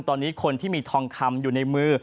ตอนนี้คนที่มีทองคำอยู่ในมือ